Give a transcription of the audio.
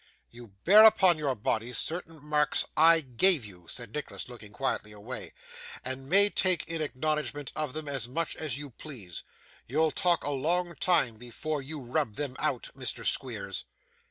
'You bear upon your body certain marks I gave you,' said Nicholas, looking quietly away, 'and may talk in acknowledgment of them as much as you please. You'll talk a long time before you rub them out, Mr Squeers.